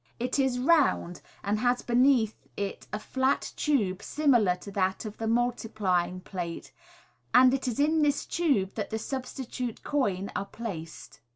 It is round, and has Dencath it a flat tube similar to that of MODERN MA GIC. t\ * the multiplying plate j and it is in this tube that the substitute coin* are placed.